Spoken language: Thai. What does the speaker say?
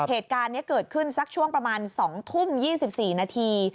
เหตุการณ์นี้เกิดขึ้นสักช่วงประมาณ๒ทุ่ม๒๔นาที